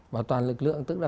bảo toàn lực lượng tức là